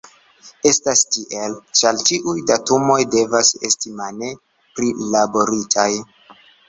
Estas tiel, ĉar ĉiuj datumoj devas esti mane prilaboritaj.